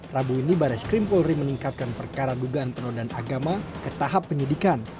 rabu indi baris krimpolri meningkatkan perkara dugaan penodaan agama ke tahap penyidikan